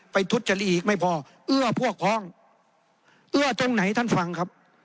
ทุจจริตอีกไม่พอเอื้อพวกพ้องเอื้อตรงไหนท่านฟังครับ